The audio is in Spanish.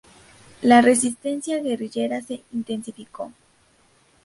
La resistencia guerrillera se intensificó.